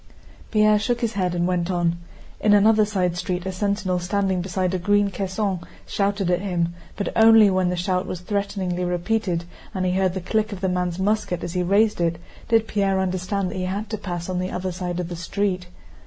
Pierre shook his head and went on. In another side street a sentinel standing beside a green caisson shouted at him, but only when the shout was threateningly repeated and he heard the click of the man's musket as he raised it did Pierre understand that he had to pass on the other side of the street.